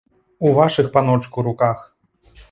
У вашых, паночку, руках.